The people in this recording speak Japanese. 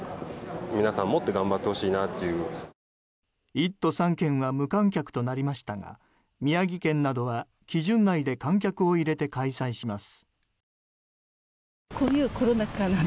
１都３県は無観客となりましたが宮城県などは基準内で観客を入れて開催します。